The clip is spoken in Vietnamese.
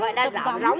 đây là tập gióng